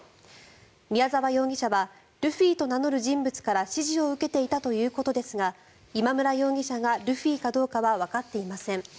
宮沢容疑者はルフィと名乗る人物から指示を受けていたということですが今村容疑者がルフィかどうかはわかっていません。